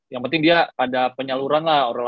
yang penting dia ada penyaluran lah